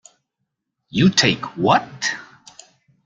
You take what?